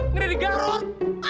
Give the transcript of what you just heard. ngeri di garut